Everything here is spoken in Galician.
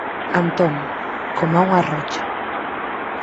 Antón, coma unha rocha.